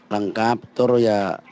lengkap betul ya